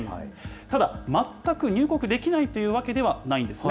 ただ、全く入国できないというわけではないんですね。